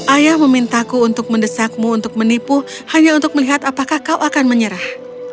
ayah memintaku untuk mendesakmu untuk menipu hanya untuk melihat apakah kau akan menyerah